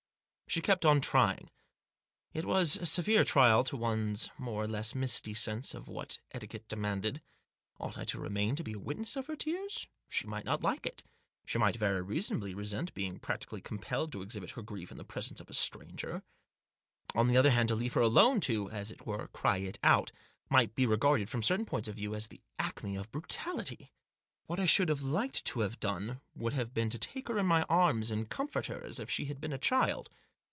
She kept on crying. It was a severe trial to one's more or less misty sense of what etiquette demanded. Ought I to remain to be a witness of her tears ? She might not like it. She might, very reasonably, resent being practically compelled to exhibit her grief in the presence of a stranger. On the other hand, to leave her alone to, as it were, cry it out, might be regarded, from certain points of view, as the acme of brutality. What I should have liked to have done would have been to take her in my arms, and comfort her as if she had been a child.